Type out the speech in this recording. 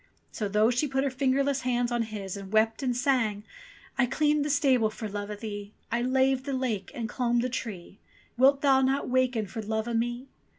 So, though she put her fingerless hands on his and wept and sang : "I cleaned the stable for love o' thee, I laved the lake and I clomb the tree, Wilt thou not waken for love o' me